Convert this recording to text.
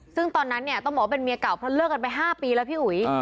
ซึ่งตอนนั้นเนี่ยต้องบอกว่าเป็นเมียเก่าเพราะเลิกกันไป๕ปีแล้วพี่อุ๋ย